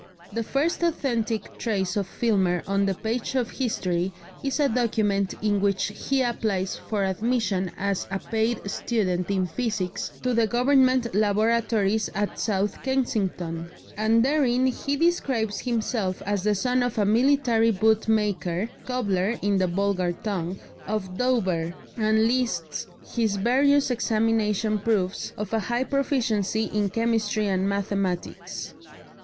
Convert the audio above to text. The first authentic trace of Filmer on the page of history is a document in which he applies for admission as a paid student in physics to the Government laboratories at South Kensington, and therein he describes himself as the son of a "military bootmaker" ("cobbler" in the vulgar tongue) of Dover, and lists his various examination proofs of a high proficiency in chemistry and mathematics.